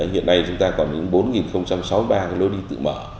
hiện nay chúng ta còn bốn sáu mươi ba cái lối đi tự mở